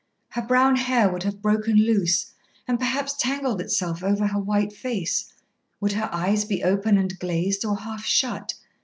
Her brown hair would have broken loose, and perhaps tangled itself over her white face. Would her eyes be open and glazed, or half shut?